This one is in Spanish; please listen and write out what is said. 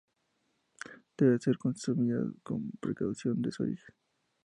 Debe ser consumida con precaución de su origen.